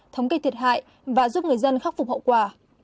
thống kê thiệt hại và giúp người dân khắc phục hậu quả